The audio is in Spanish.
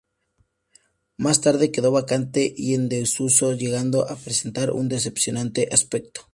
Más tarde quedó vacante y en desuso, llegando a presentar un decepcionante aspecto.